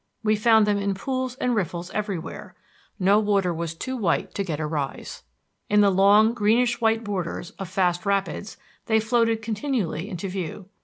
We found them in pools and riffles everywhere; no water was too white to get a rise. In the long, greenish white borders of fast rapids they floated continually into view.